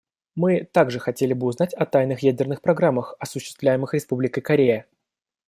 Мы также хотели бы узнать о тайных ядерных программах, осуществляемых Республикой Корея.